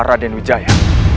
aku merah dengan ujjaya